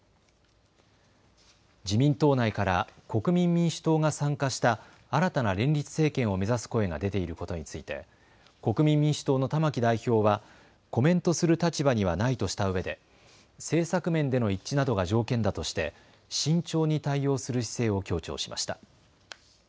自民党内から国民民主党が参加した新たな連立政権を目指す声が出ていることについて国民民主党の玉木代表はコメントする立場にはないとしたうえで政策面での一致などが条件だとして慎重に対応する姿勢を強調しました。